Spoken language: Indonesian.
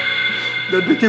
kalau mereka berdua